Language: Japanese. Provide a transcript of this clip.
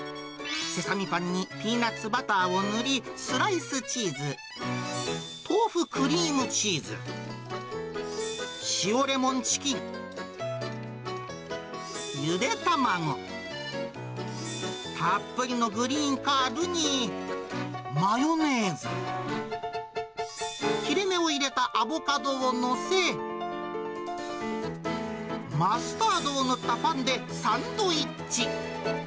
セサミパンにピーナツバターを塗り、スライスチーズ、トーフクリームチーズ、塩レモンチキン、ゆで卵、たっぷりのグリーンカールにマヨネーズ、切れ目を入れたアボカドを載せ、マスタードを塗ったパンでサンドイッチ。